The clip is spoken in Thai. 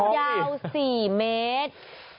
ยาว๔เมตร